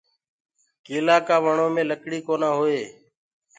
ڪيلآ ڪآ وڻو مي لڪڙي ڪونآ هوئي۔